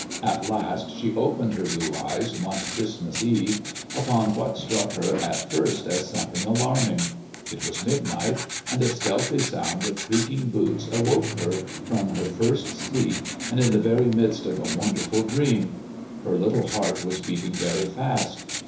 At last she opened her blue eyes, one Christmas Eve, upon what struck her at first as something alarming. It was midnight; and a stealthy sound of creaking boots awoke her from her first sleep and in the very midst of a wonderful dream. Her little heart was beating very fast.